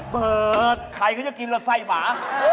เปิดใครก็จะกินแรงไส้หมา